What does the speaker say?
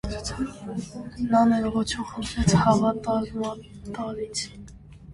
Նա ներողություն խնդրեց հավատարմատարից։